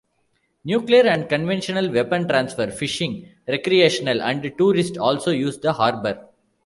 Nuclear and conventional weapon transfer; fishing, recreational, and tourist also used the harbor.